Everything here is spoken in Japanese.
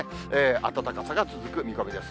暖かさが続く見込みです。